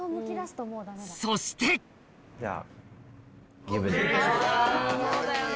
そしてじゃあ。